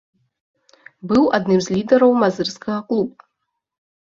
Быў адным з лідараў мазырскага клуба.